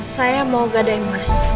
saya mau gadai mas